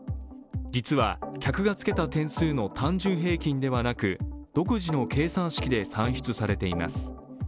実は、客がつけた店数の単純平均ではなく独自の計算式で算出されています。